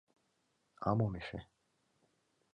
— А мом эше?